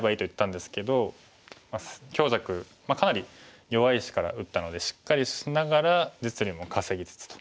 強弱かなり弱い石から打ったのでしっかりしながら実利も稼ぎつつと。